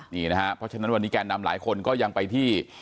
นี่นะฮะเพราะฉะนั้นการนำหลายคนก็ยังไปที่